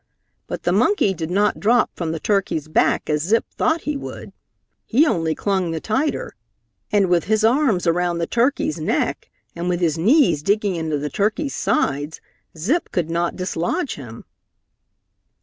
But the monkey did not drop from the turkey's back as Zip thought he would. He only clung the tighter, and with his arms around the turkey's neck and with his knees digging into the turkey's sides, Zip could not dislodge him.